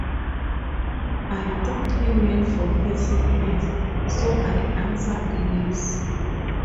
I thought he meant for her sickness, so I answered 'yes'.